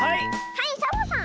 はいサボさん！